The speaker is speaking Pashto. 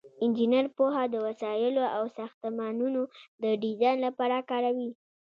انجینر پوهه د وسایلو او ساختمانونو د ډیزاین لپاره کاروي.